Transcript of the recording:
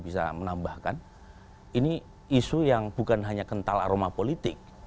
bisa menambahkan ini isu yang bukan hanya kental aroma politik